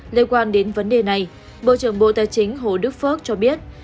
liên quan đến vấn đề này bộ trưởng bộ tài chính hồ đức phước cho biết